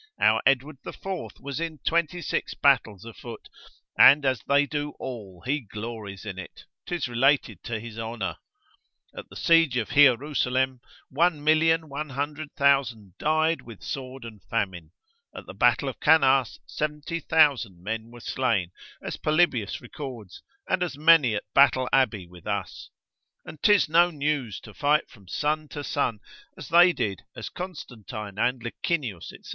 Our Edward the Fourth was in 26 battles afoot: and as they do all, he glories in it, 'tis related to his honour. At the siege of Hierusalem, 1,100,000 died with sword and famine. At the battle of Cannas, 70,000 men were slain, as Polybius records, and as many at Battle Abbey with us; and 'tis no news to fight from sun to sun, as they did, as Constantine and Licinius, &c.